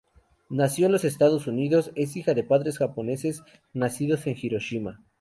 Nació en los Estados Unidos, es hija de padres japoneses nacidos en Hiroshima.